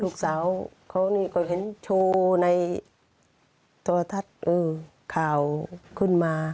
ลูกสาวเขาก็เห็นโชว์ในตัวทัดข่าวขึ้นมา